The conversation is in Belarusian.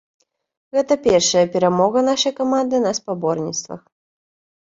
Гэта першая перамога нашай каманды на спаборніцтвах.